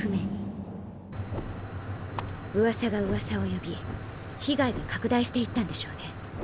カチッうわさがうわさを呼び被害が拡大していったんでしょうね。